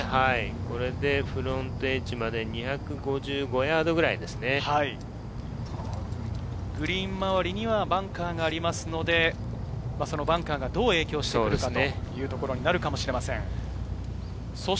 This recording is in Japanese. これでフロントエッジまで２５５ヤードグリーン周りにはバンカーがありますので、そのバンカーがどう影響してくるかというところになるかもしれません。